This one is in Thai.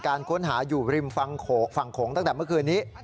การค้นหาอยู่ริมฝั่งโขงตั้งแต่เมื่อคืนนี้